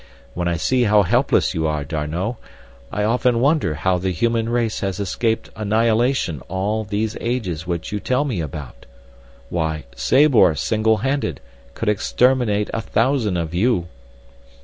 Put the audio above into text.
When I see how helpless you are, D'Arnot, I often wonder how the human race has escaped annihilation all these ages which you tell me about. Why, Sabor, single handed, could exterminate a thousand of you."